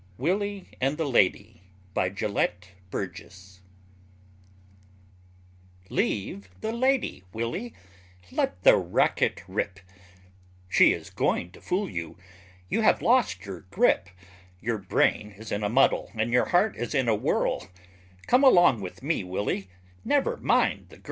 WILLY AND THE LADY BY GELETT BURGESS Leave the lady, Willy, let the racket rip, She is going to fool you, you have lost your grip, Your brain is in a muddle and your heart is in a whirl, Come along with me, Willy, never mind the girl!